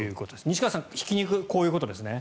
西川さん、ひき肉こういうことですね。